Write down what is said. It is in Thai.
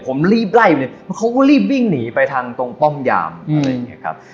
ผมรีบไล่ไปเลยเขาก็รีบวิ่งหนีไปทางตรงป้อมยามอะไรอย่างนี้ครับ